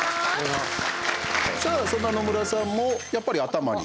さあ、そんな野村さんもやっぱり頭に。